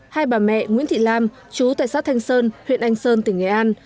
hai bà mẹ nguyễn thị lam chú tại sát thanh sơn huyện anh sơn tỉnh nghệ an